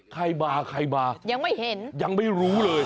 ใครมาใครมายังไม่เห็นยังไม่รู้เลย